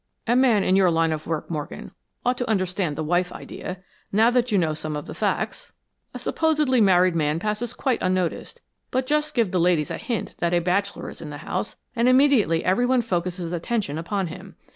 "A man in your line of work, Morgan, ought to understand the wife idea, now that you know some of the facts. A supposedly married man passes quite unnoticed, but just give the ladies a hint that a bachelor is in the house and immediately everyone focuses attention upon him.